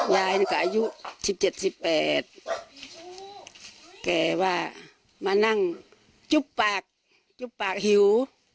ยายนี่ก็อายุ๑๗๑๘แกว่ามานั่งจุ๊บปากจุบปากหิว